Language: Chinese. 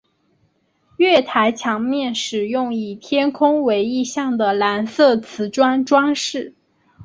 月台墙面使用以天空为意象的蓝色磁砖装饰。